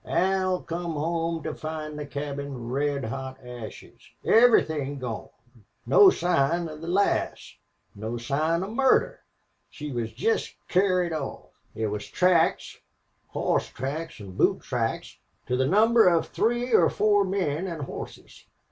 Al come home to find the cabin red hot ashes. Everythin' gone. No sign of the lass. No sign of murder. She was jest carried off. There was tracks hoss tracks an' boot tracks, to the number of three or four men an' hosses.